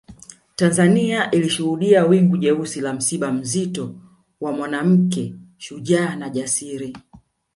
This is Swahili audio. Tanzania ilishuhudia wingu jeusi la msiba mzito wa Mwanamke shujaa na jasiri